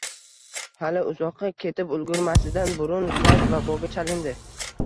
Hali uzoqqa ketib ulgurmasidan burun Zayd vaboga chalindi